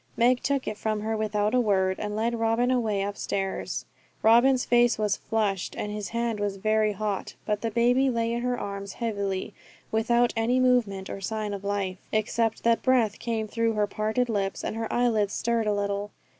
Meg took it from her without a word, and led Robin away upstairs. Robin's face was flushed, and his hand was very hot; but the baby lay in her arms heavily, without any movement or sign of life, except that the breath came through her parted lips, and her eyelids stirred a little.